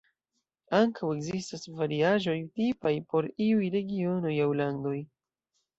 Ankaŭ ekzistas variaĵoj tipaj por iuj regionoj aŭ landoj.